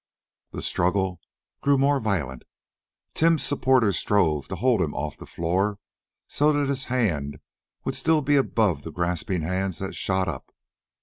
The struggle grew more violent. Tim's supporters strove to hold him off the floor so that his hand would still be above the grasping hands that shot up.